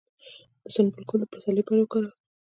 د سنبل ګل د پسرلي لپاره وکاروئ